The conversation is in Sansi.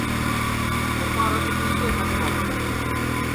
سپا رت پِیگے کھٹمݪ